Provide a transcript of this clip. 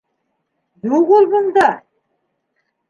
Юҡ ул бында!